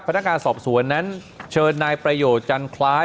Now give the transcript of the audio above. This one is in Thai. พนักงานสอบสวนนั้นเชิญนายประโยชน์จันคล้าย